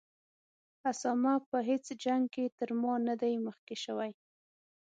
اسامه په هیڅ جنګ کې تر ما نه دی مخکې شوی.